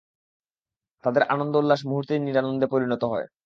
তাদের আনন্দ-উল্লাস মুহূর্তেই নিরানন্দে পরিণত হয়।